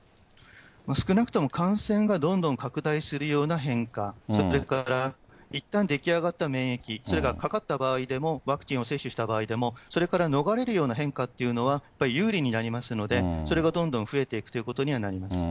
少なくとも感染がどんどん拡大するような変化、それから、いったん出来上がった免疫、それからかかった場合でも、ワクチンを接種した場合でも、それから逃れるような変化というのはやっぱり有利になりますので、それがどんどん増えていくということにはなります。